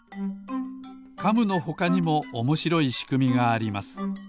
カムのほかにもおもしろいしくみがあります。